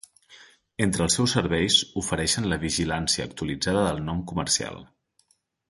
Entre els seus serveis ofereixen la vigilància actualitzada del nom comercial.